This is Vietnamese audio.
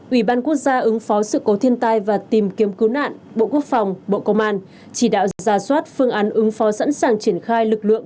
ủy ban quốc gia ứng phó sự cố thiên tai và tìm kiếm cứu nạn bộ quốc phòng bộ công an chỉ đạo ra soát phương án ứng phó sẵn sàng triển khai lực lượng